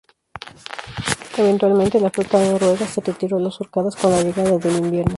Eventualmente, la flota noruega se retiró a las Órcadas con la llegada del invierno.